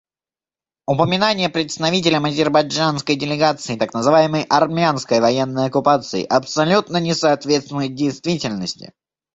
Упоминание представителем азербайджанской делегации так называемой армянской военной оккупации абсолютно не соответствует действительности.